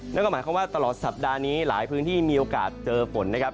นั่นก็หมายความว่าตลอดสัปดาห์นี้หลายพื้นที่มีโอกาสเจอฝนนะครับ